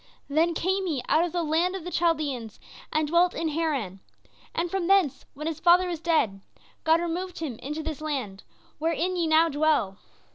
Then came he out of the land of the Chaldæans and dwelt in Haran; and from thence, when his father was dead, God removed him into this land, wherein ye now dwell.